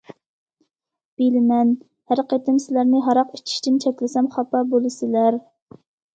بىلىمەن، ھەر قېتىم سىلەرنى ھاراق ئىچىشتىن چەكلىسەم خاپا بولىسىلەر.